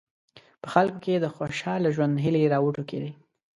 په خلکو کې د خوشاله ژوند هیلې راوټوکېدې.